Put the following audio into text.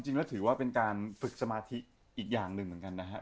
จริงแล้วถือว่าเป็นการฝึกสมาธิอีกอย่างหนึ่งเหมือนกันนะฮะ